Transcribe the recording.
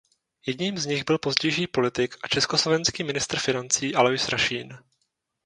Jedním z nich byl pozdější politik a československý ministr financí Alois Rašín.